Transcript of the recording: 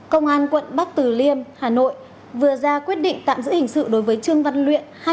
công an quận bắc từ liêm hà nội vừa ra quyết định tạm giữ hình sự đối với trương văn luyện